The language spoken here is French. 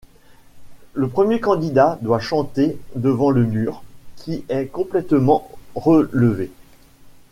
Le premier candidat doit chanter devant le mur, qui est complètement relevé.